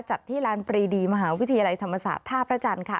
ที่ลานปรีดีมหาวิทยาลัยธรรมศาสตร์ท่าพระจันทร์ค่ะ